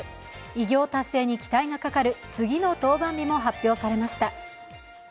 偉業達成に期待がかかる次の登板日も発表されました。